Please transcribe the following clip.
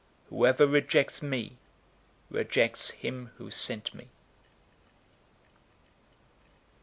Whoever rejects me rejects him who sent me."